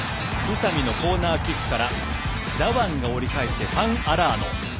宇佐美のコーナーキックからダワンが折り返してファン・アラーノ。